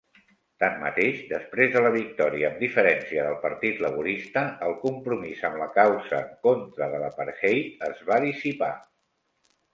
Tanmateix, després de la victòria amb diferència del Partit Laborista, el compromís amb la causa en contra de l'apartheid es va dissipar.